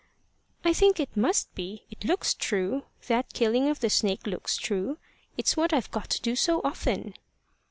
"I think it must be. It looks true. That killing of the snake looks true. It's what I've got to do so often."